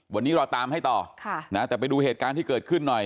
วันนี้เราตามให้ต่อแต่ไปดูเหตุการณ์ที่เกิดขึ้นหน่อย